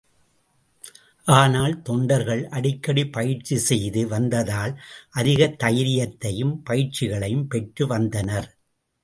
ஆனால், தொண்டர்கள் அடிக்கடி பயிற்சி செய்து வந்ததால், அதிக தைரியத்தையும் பயிற்சிகளையும் பெற்று வந்தனர்.